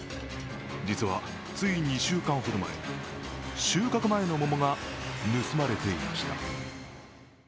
実は、つい２週間ほど前収穫前の桃が盗まれていました。